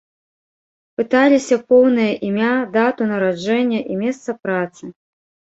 Пыталіся поўнае імя, дату нараджэння і месца працы.